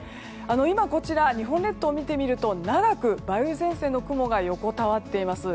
今、日本列島を見てみると長く梅雨前線の雲が横たわっています。